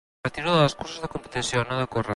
Em retiro de les curses de competició, no de córrer.